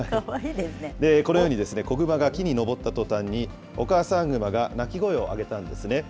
このように、子熊が木に登ったとたんに、お母さん熊が鳴き声を上げたんですね。